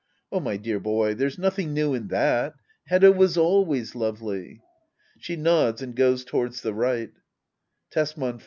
Oh, my dear boy, there's nothing new in that. Hedda was always lovely. [She nods and goes towards the right, Tesman.